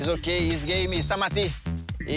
โอเคเป็นเกมซ์ซามาตี้